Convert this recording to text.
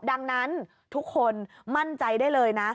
ดังนั้นทุกคนมั่นใจได้เลยนะ